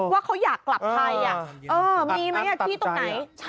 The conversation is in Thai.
ว่าเขาอยากกลับไทยอ่ะเออมีไหมที่ตรงไหนใช่